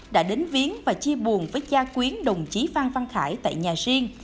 đã đến viến và chia buồn với gia quyến đồng chí pham văn khải tại nhà riêng